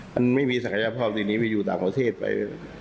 มันไม่มีสัญญาภาพที่อยู่ต่างประเทศไป